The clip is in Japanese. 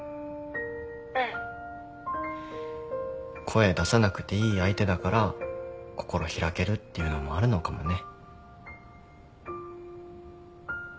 声出さなくていい相手だから心開けるっていうのもあるのかもね。